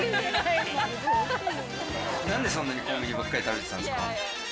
なんでそんなにコンビニばっかり食べてたんですか？